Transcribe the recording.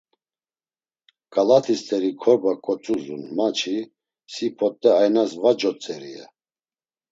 Ǩalat̆i steri korba ǩotzudzun ma-çi si p̌ot̆e aynas va cotzeri? ya.